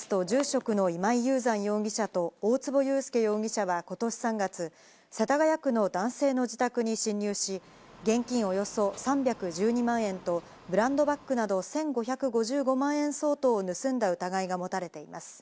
警視庁によりますと、住職の今井雄山容疑者と、大坪裕介容疑者はことし３月、世田谷区の男性の自宅に侵入し、現金およそ３１２万円とブランドバッグなど１５５５万円相当を盗んだ疑いが持たれています。